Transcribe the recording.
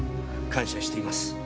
感謝しています。